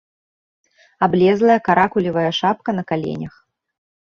Аблезлая каракулевая шапка на каленях.